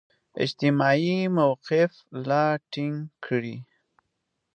اجتماعي موقف لا ټینګ کړي.